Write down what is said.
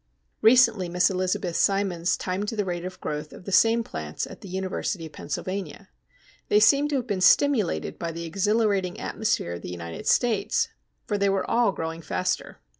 Recently Miss Elizabeth A. Simons timed the rate of growth of the same plants at the University of Pennsylvania. They seem to have been stimulated by the exhilarating atmosphere of the United States, for they were all growing faster.